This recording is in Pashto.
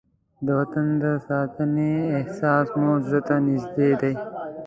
د وطن د ساتنې احساس مې زړه ته نږدې دی.